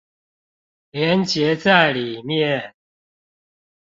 連結在裡面